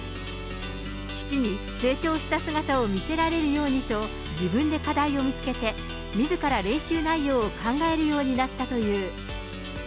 父に成長した姿を見せられるようにと自分で課題を見つけて、みずから練習内容を考えるようになったという。